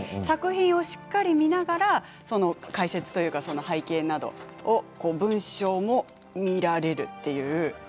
作品をしっかり見ながらその解説というかその背景などを文章も見られるっていう。